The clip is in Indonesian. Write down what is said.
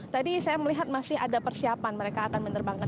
tadi saya melihat masih ada persiapan mereka akan menerbangkan